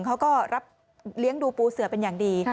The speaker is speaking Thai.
เขาก็รับเลี้ยงดูปูเสือเป็นอย่างดี